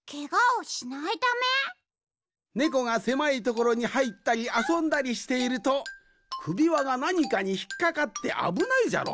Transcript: ネコがせまいところにはいったりあそんだりしているとくびわがなにかにひっかかってあぶないじゃろ？